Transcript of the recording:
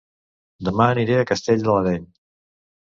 Dema aniré a Castell de l'Areny